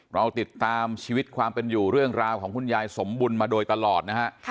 เราติดตามชีวิตความเป็นอยู่เรื่องราวของคุณยายสมบุญมาโดยตลอดนะฮะ